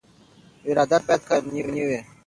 واردات باید قانوني وي.